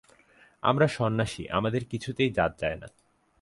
আমরা সন্ন্যাসী, আমাদের কিছুতেই জাত যায় না।